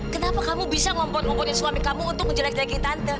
kenapa kamu bisa ngomput ngopotin suami kamu untuk menjelek jelekin tante